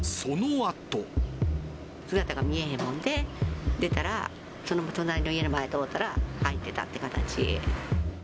姿が見えへんもんで、出たら、その隣の家の前通ったら、入ってたって形。